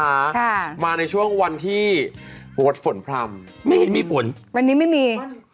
ค่ะมาในช่วงวันที่ฝนพร่ำไม่เห็นมีฝนวันนี้ไม่มี